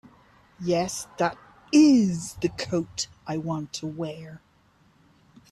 Yes, that IS the coat I want to wear.